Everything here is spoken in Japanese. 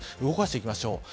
動かしていきましょう。